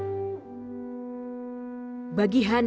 ini adalah perubahan yang kita lakukan